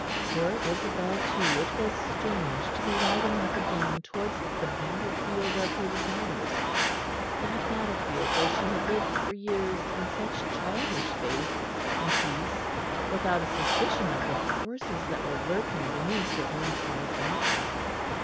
For Isabel, too, it was strange to be riding up again towards the battlefield of her desires that battlefield where she had lived for years in such childish faith and peace without a suspicion of the forces that were lurking beneath her own quiet nature.